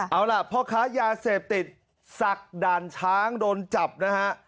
เอาล่ะพ่อค้ายาเสพติดสักด่านช้างโดนจับนะฮะ